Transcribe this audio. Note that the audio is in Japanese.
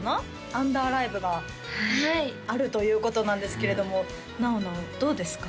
アンダーライブがはいあるということなんですけれどもなおなおどうですか？